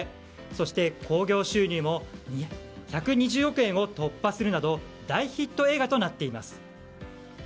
そして興行収入も１２０億円を突破するなど大ヒット映画となっています。